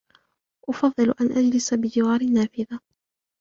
أُفضل أن أجلس بجوار النافذة.